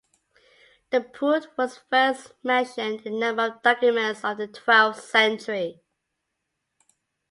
The pood was first mentioned in a number of documents of the twelfth century.